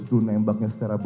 itu nembaknya secara brutal